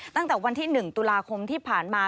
ตั้งแต่วันที่๑ตุลาคมที่ผ่านมา